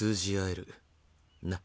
なっ？